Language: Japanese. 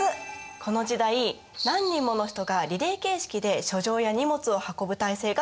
この時代何人もの人がリレー形式で書状や荷物を運ぶ体制が整えられたんです。